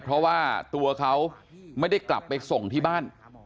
เพราะว่าตัวเขาไม่ได้กลับไปส่งที่บ้าน